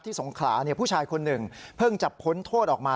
สงขลาผู้ชายคนหนึ่งเพิ่งจะพ้นโทษออกมา